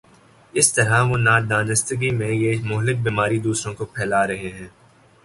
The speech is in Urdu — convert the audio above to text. اس طرح وہ نادانستگی میں یہ مہلک بیماری دوسروں کو پھیلا رہے ہیں۔